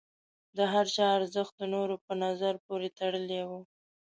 د هر چا ارزښت د نورو په نظر پورې تړلی و.